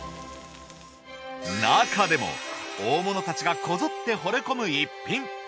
なかでも大物たちがこぞって惚れ込む逸品。